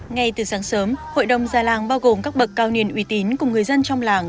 ngay từ sáng sớm hội đồng gia làng bao gồm các bậc cao niên uy tín cùng người dân trong làng